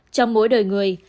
trong mỗi đời người